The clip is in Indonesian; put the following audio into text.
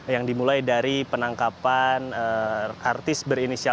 yang dimulai dari penangkapan artis berinisial